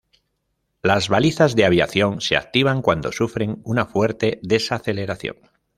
Las balizas de aviación se activan cuando sufren una fuerte desaceleración.